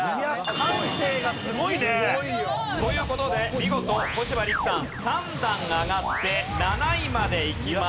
感性がすごいね。という事で見事小柴陸さん３段上がって７位までいきます。